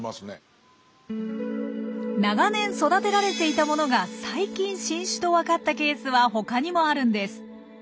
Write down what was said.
長年育てられていたものが最近新種と分かったケースは他にもあるんです。